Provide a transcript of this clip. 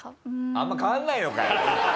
あんま変わらないのかよ！